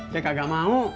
dia kagak mau